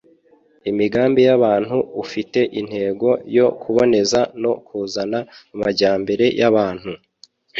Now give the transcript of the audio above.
Imigambi y'abantu ufite intego yo kuboneza no kuzana amajyambere y'abantu